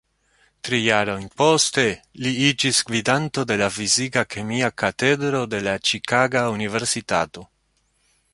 Tri jarojn poste, li iĝis gvidanto de la fizika-kemia katedro de la Ĉikaga Universitato.